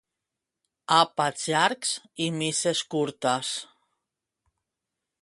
Àpats llargs i misses curtes.